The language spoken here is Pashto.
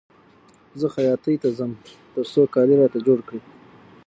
زه خیاطۍ ته ځم تر څو کالي راته جوړ کړي